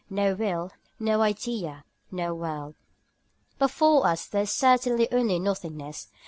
No will: no idea, no world. Before us there is certainly only nothingness.